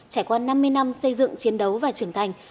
trải qua năm mươi năm xây dựng chiến đấu và trưởng thành